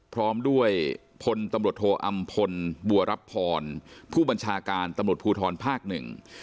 พร้อมด้วยพลตำรวจโทอำพลบัวรับพรผู้บัญชาการตำรวจภูทรภาคหนึ่ง